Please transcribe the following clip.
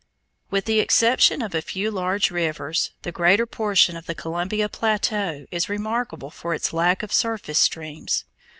With the exception of a few large rivers, the greater portion of the Columbia plateau is remarkable for its lack of surface streams.